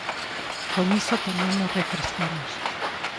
Con iso tamén nos refrescamos.